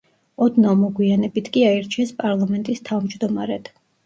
ოდნავ მოგვიანებით კი აირჩიეს პარლამენტის თავმჯდომარედ.